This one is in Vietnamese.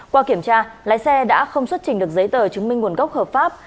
qua kiểm tra lái xe đã không xuất trình được giấy tờ chứng minh nguồn gốc hợp pháp